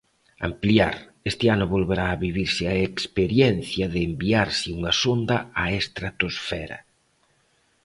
Ampliar Este ano volverá a vivirse a experiencia de enviarse unha sonda á estratosfera.